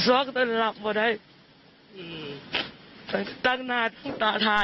สำสรรค์สามารถทำงานของลูกแล้ว